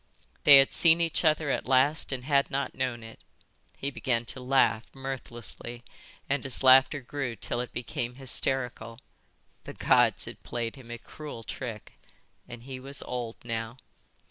They had seen each other at last and had not known it. He began to laugh, mirthlessly, and his laughter grew till it became hysterical. The Gods had played him a cruel trick. And he was old now.